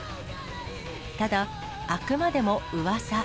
ただ、あくまでもうわさ。